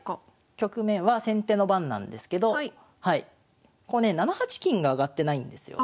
局面は先手の番なんですけど７八金が上がってないんですよ。